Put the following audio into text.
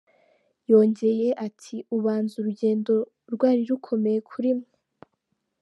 Yongeye ati “Ubanza urugendo rwari rukomeye kuri mwe?.